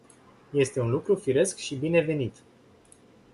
Este un lucru firesc și binevenit.